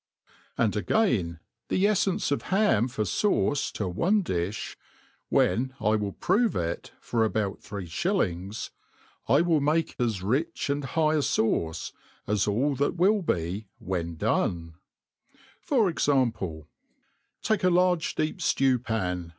And againy the effence of ham for fauce to one di(h ; when / will prove ity for about' three fhitlings I wilt make as A 2 rich ii To tte RE ^DER. rich and high a fauce as all that will be^ when done. Far example : Take a large deep ftew pan